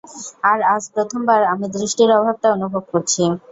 আর আজ প্রথমবার আমি দৃষ্টির অভাবটা অনুভব করছি।